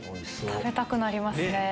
食べたくなりますね。